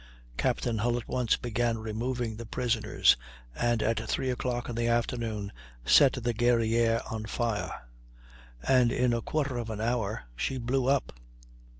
Captain Hull at once began removing the prisoners, and at three o'clock in the afternoon set the Guerrière on fire, and in a quarter of an hour she blew up.